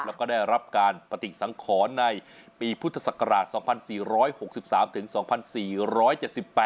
แล้วก็ได้รับการปฏิสังขรในปีพุทธศักราช๒๔๖๓ถึง๒๔๗๘